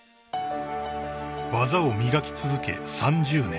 ［技を磨き続け３０年］